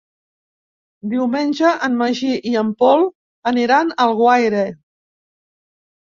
Diumenge en Magí i en Pol aniran a Alguaire.